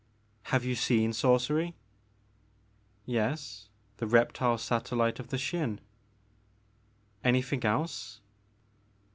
Have you seen sorcery ?"Yes, the reptile satellite of the Xin "Anything else